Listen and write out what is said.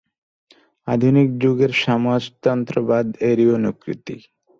আধুনিক যুগের সমাজতন্ত্রবাদ এরই অনুকৃতি।